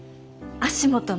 足元の？